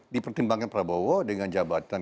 dipertimbangkan prabowo dengan jabatan